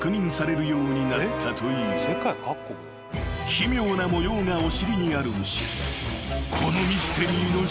［奇妙な模様がお尻にある牛］